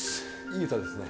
いい歌ですね。